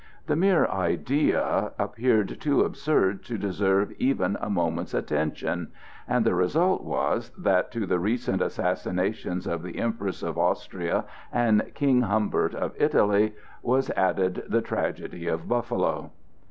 The mere idea appeared too absurd to deserve even a moment's attention, and the result was that to the recent assassinations of the Empress of Austria and King Humbert of Italy was added the tragedy of Buffalo.